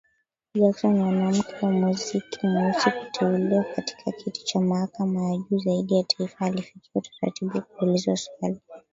Jackson, mwanamke wa kwanza mweusi kuteuliwa katika kiti cha mahakama ya juu zaidi ya taifa, alifikia utaratibu wa kuulizwa maswali.